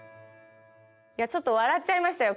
いやちょっと笑っちゃいましたよ